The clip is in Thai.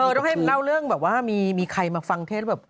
ต้องเล่าเรื่องมีใครมาฟังเทศ